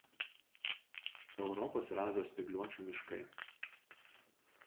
Europos ir Azijos spygliuočių miškai.